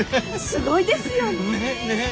すごいですよねぇ。